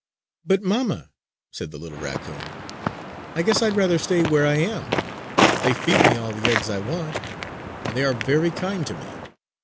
"But mamma," said the little raccoon, "I guess I'd rather stay where I am. They feed me all the eggs I want, and they are very kind to me.